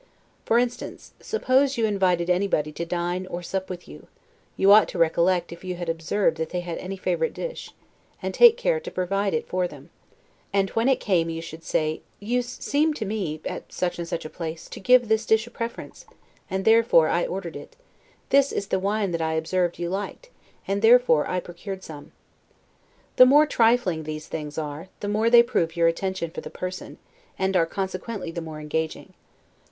For instance, suppose you invited anybody to dine or sup with you, you ought to recollect if you had observed that they had any favorite dish, and take care to provide it for them; and when it came you should say, You SEEMED TO ME, AT SUCH AND SUCH A PLACE, TO GIVE THIS DISH A PREFERENCE, AND THEREFORE I ORDERED IT; THIS IS THE WINE THAT I OBSERVED YOU LIKED, AND THEREFORE I PROCURED SOME. The more trifling these things are, the more they prove your attention for the person, and are consequently the more engaging.